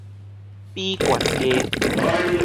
比懸低